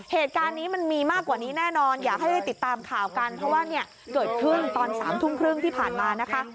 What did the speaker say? ให้ติดตามข่าวกันเพราะว่าเนี่ยเกิดพึ่งตอน๓ทุ่มครึ่งที่ผ่านมานะคะ